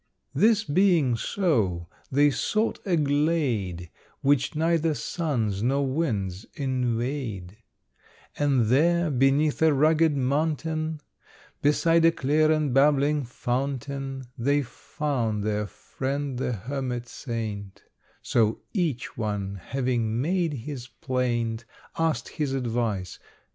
This being so, they sought a glade Which neither suns nor winds invade, And there, beneath a rugged mountain, Beside a clear and babbling fountain, They found their friend the Hermit saint; So each one having made his plaint, Asked his advice.